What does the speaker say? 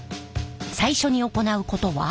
最初に行うことは？